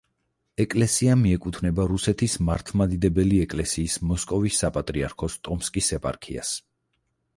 ეკლესია მიეკუთვნება რუსეთის მართლმადიდებელი ეკლესიის მოსკოვის საპატრიარქოს ტომსკის ეპარქიას.